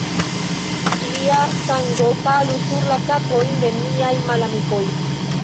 Ilia sango falu sur la kapojn de miaj malamikoj!